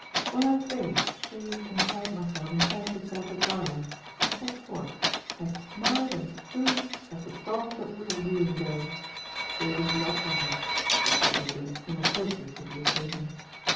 When I had bathed, shaved and attired myself in carefully selected garments, I set forth, as smart and spruce as the frog that would a wooing go saving the opera hat, which would have been inappropriate to the occasion.